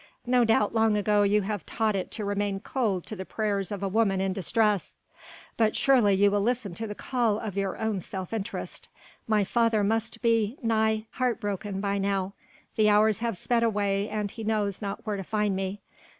no doubt long ago you have taught it to remain cold to the prayers of a woman in distress: but surely you will listen to the call of your own self interest. My father must be nigh heart broken by now. The hours have sped away and he knows not where to find me."